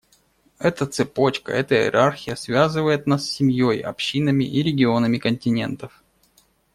Эта цепочка, эта иерархия, связывает нас с семьей, общинами и регионами континентов.